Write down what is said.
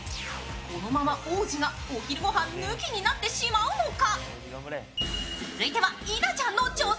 このまま王子がお昼ご飯抜きになってしまうのか？